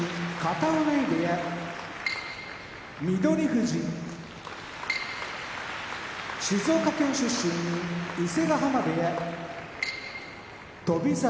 翠富士静岡県出身伊勢ヶ濱部屋翔猿